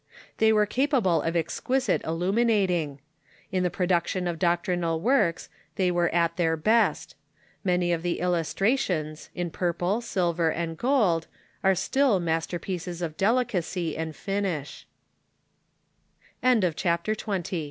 They were capable of exquisite illuminating. In the produc tion of doctrinal works they were at their best. Many of the illustrations, in purple, silver, and gold, are still masterpieces of delicacy a